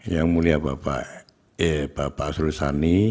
yang mulia bapak asrul sani